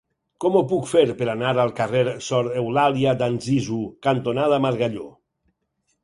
Com ho puc fer per anar al carrer Sor Eulàlia d'Anzizu cantonada Margalló?